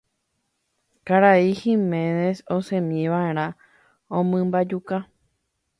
Karai Giménez osẽmiva'erã omymbajuka.